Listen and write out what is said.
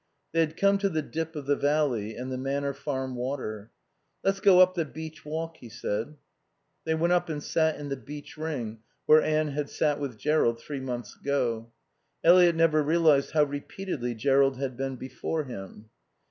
They had come to the dip of the valley and the Manor Farm water. "Let's go up the beech walk," he said. They went up and sat in the beech ring where Anne had sat with Jerrold three months ago. Eliot never realised how repeatedly Jerrold had been before him.